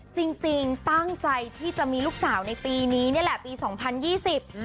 จริงจริงตั้งใจที่จะมีลูกสาวในปีนี้นี่แหละปีสองพันยี่สิบอืม